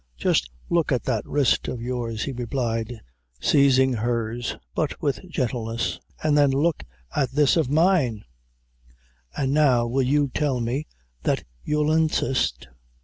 Jest look at that wrist of yours," he replied, seizing hers, but with gentleness, "and then look at this of mine; an' now will you tell me that you'll insist?